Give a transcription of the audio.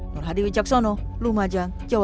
nurhadi wijaksono lumajang jawa tenggara